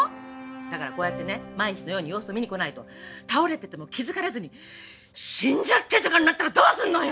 だからこうやって毎日のように様子見にこないと倒れてても気づかれずに死んじゃってとかになったらどうすんのよ！？